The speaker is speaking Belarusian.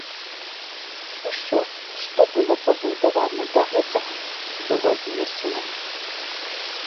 Усё, што было пабудавана да гэтага, было знесена.